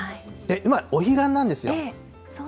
今お彼岸なんですよ。